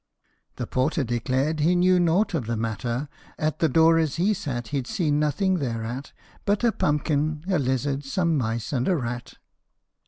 The porter declared he knew nought of the matter ; At the door as he sat he 'd seen nothing thereat But a pumpkin, a lizard, some mice, and a rat.